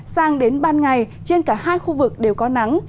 sang đến ban ngày trên cả hai khu vực đều có nắng